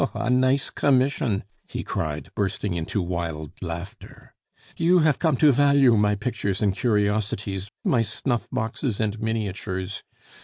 Oh! a nice commission!" he cried, bursting into wild laughter. "You have come to value my pictures and curiosities, my snuff boxes and miniatures!...